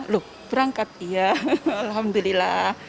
loh berangkat ya alhamdulillah